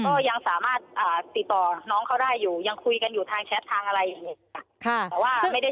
ก็ยังสามารถติดต่อน้องเขาได้อยู่ยังคุยกันอยู่ทางแชททางอะไรอย่างนี้ค่ะ